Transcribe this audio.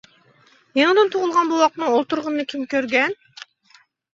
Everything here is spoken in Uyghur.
يېڭىدىن تۇغۇلغان بوۋاقنىڭ ئولتۇرغىنىنى كىم كۆرگەن.